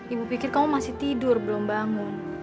ibu pikir kamu masih tidur belum bangun